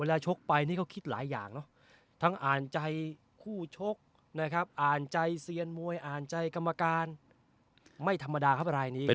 ชกไปนี่เขาคิดหลายอย่างเนอะทั้งอ่านใจคู่ชกนะครับอ่านใจเซียนมวยอ่านใจกรรมการไม่ธรรมดาครับรายนี้